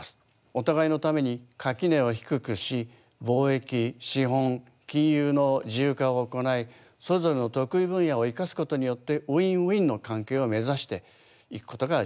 お互いのために垣根を低くし貿易資本金融の自由化を行いそれぞれの得意分野を生かすことによってｗｉｎ−ｗｉｎの関係を目指していくことが重要です。